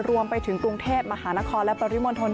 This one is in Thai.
รวมไปถึงกรุงเทพฯมหานครและปริมลทนด้วย